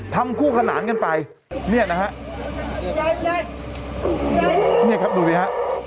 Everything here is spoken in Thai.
ทำคู่ขนานกันไปเนี่ยนะฮะเนี่ยครับดูสิฮะ